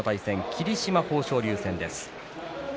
霧島、豊昇龍です。